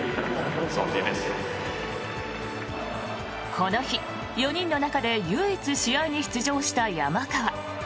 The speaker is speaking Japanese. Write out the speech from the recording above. この日、４人の中で唯一試合に出場した山川。